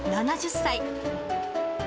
７０歳。